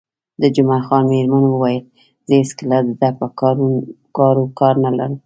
د جمعه خان میرمنې وویل: زه هېڅکله د ده په کارو کار نه لرم.